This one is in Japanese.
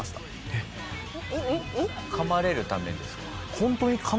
えっ？噛まれるためですか？